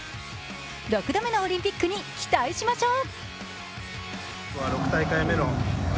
６度目のオリンピックに期待しましょう。